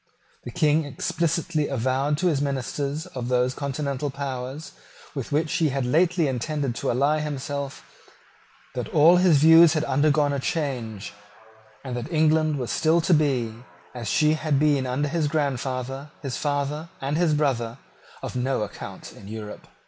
The King explicitly avowed to the ministers of those continental powers with which he had lately intended to ally himself, that all his views had undergone a change, and that England was still to be, as she had been under his grandfather, his father, and his brother, of no account in Europe.